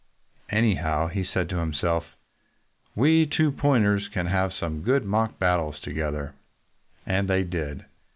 "Anyhow," he said to himself, "we 'two pointers' can have some good mock battles together." And they did.